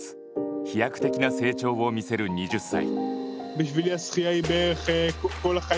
飛躍的な成長を見せる２０歳。